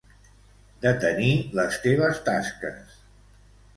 Detenir les teves tasques.